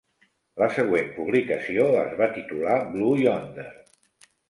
La següent publicació es va titular "Blue Yonder".